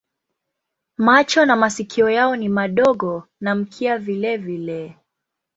Macho na masikio yao ni madogo na mkia vilevile.